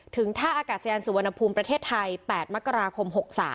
ท่าอากาศยานสุวรรณภูมิประเทศไทย๘มกราคม๖๓